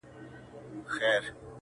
ډېرې ماتې به هم خورمه